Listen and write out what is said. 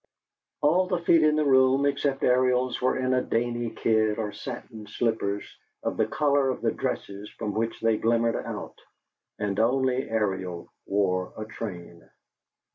All the feet in the room except Ariel's were in dainty kid or satin slippers of the color of the dresses from which they glimmered out, and only Ariel wore a train.